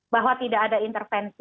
bahwa tidak ada intervensi di sini